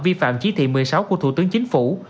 vi phạm chỉ thị một mươi sáu của thủ tướng chính phủ